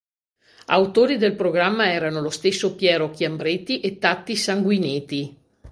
Autori del programma erano lo stesso Piero Chiambretti e Tatti Sanguineti.